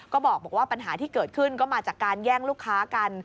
ก็บอกว่าปัญหาที่เกิดขึ้นก็มาจากการแย่งลูกค้ากัน